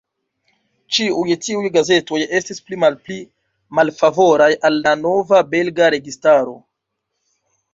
Ĉiuj tiuj gazetoj estis pli malpli malfavoraj al la nova belga registaro.